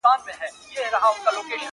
بيزو وان پكښي تنها ولاړ هك پك وو-